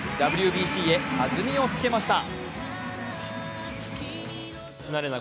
ＷＢＣへ弾みをつけました。